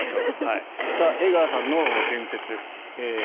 江川さんの伝説です。